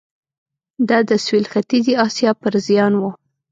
دا د سوېل ختیځې اسیا پر زیان و.